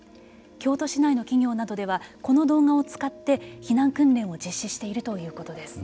京都市内の企業などではこの動画を使って避難訓練を実施しているということです。